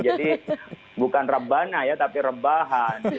jadi bukan rebana ya tapi rebahan